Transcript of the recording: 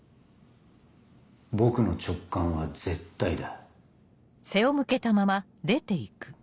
僕の直感は絶対だ。